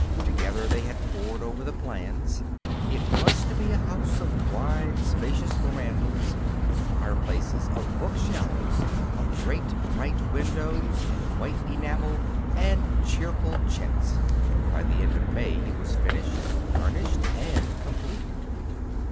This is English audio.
Together they had pored over the plans. It was to be a house of wide, spacious verandas, of fireplaces, of bookshelves, of great, bright windows, and white enamel and cheerful chintz. By the end of May it was finished, furnished, and complete.